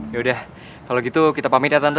yaudah kalo gitu kita pamit ya tante